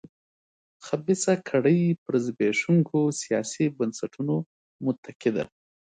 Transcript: خبیثه کړۍ پر زبېښونکو سیاسي بنسټونو متکي ده.